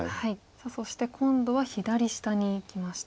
そして今度は左下にいきました。